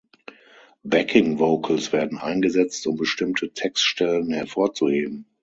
Backing Vocals werden eingesetzt, um bestimmte Textstellen hervorzuheben.